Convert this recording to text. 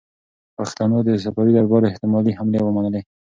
پښتنو د صفوي دربار احتمالي حملې ومنلې.